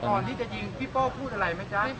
ตอนที่จะยิงเจ้าพี่โป้พูดอะไรไหมบ๊วย